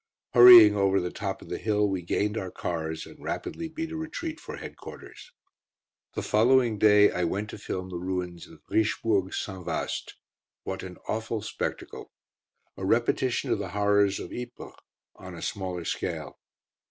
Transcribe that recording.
Hurrying over the top of the hill we gained our cars, and rapidly beat a retreat for headquarters. The following day I went to film the ruins of Richebourg St. Vaaste. What an awful spectacle! A repetition of the horrors of Ypres on a smaller scale.